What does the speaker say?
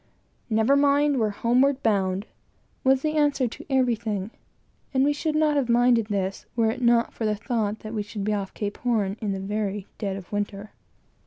"Never mind we're homeward bound!" was the answer to everything; and we should not have minded this, were it not for the thought that we should be off Cape Horn in the very dead of winter.